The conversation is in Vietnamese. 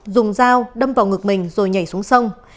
dùng dao đâm vào ngực mình rồi nhảy xuống sông